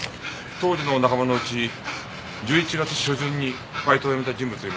当時の仲間のうち１１月初旬にバイトを辞めた人物はいませんか？